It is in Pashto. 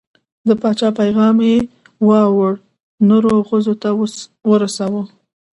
د پاچا پیغام یې واړو، نرو او ښځو ته ورساوه.